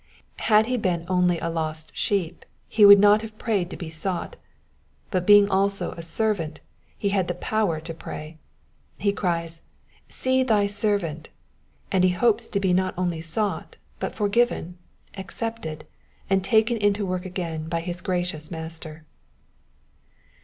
Had he been only a lost sheep he would not have prayed to be sought ; but being also a '* servant '* he hud the power to pray. He cries, " See thy servant," and he hopes to be not only sought, but forgiven, accepted, and taken into work again by his gracious Master.